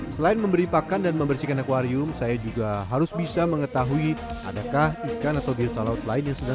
selain memberi pakan dan membersihkan akwarium saya juga harus bisa mengetahui adakah ikan atau biota laut lain yang sudah